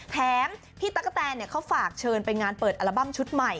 แถมพี่ตั๊กกะแตนเขาฝากเชิญไปงานเปิดอัลบั้มชุดใหม่